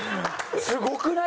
すごくない？